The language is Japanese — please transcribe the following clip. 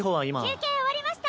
・休憩終わりました！